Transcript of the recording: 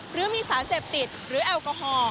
หรือมีสารเสพติดหรือแอลกอฮอล